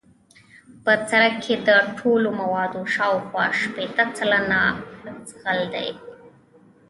په سرک کې د ټولو موادو شاوخوا شپیته سلنه جغل دی